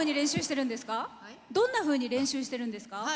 どんなふうに練習してるんですか？